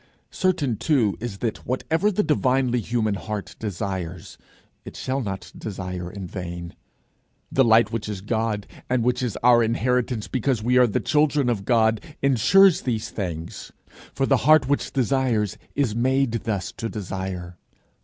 Certain too it is that whatever the divinely human heart desires, it shall not desire in vain. The light which is God, and which is our inheritance because we are the children of God, insures these things. For the heart which desires is made thus to desire.